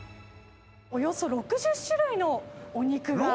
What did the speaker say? およそ６０種類のお肉が。